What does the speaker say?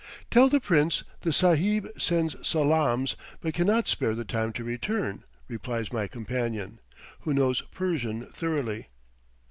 "Tell the Prince, the sahib sends salaams, but cannot spare the time to return," replies my companion, who knows Persian thoroughly.